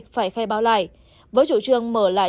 phải khai báo lại với chủ trương mở lại